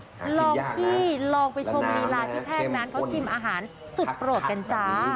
ลองพี่ลองไปชมรีลายพี่แท่งนั้น